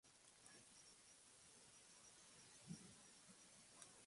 Se reconocía a la República Democrática de Armenia como un Estado independiente.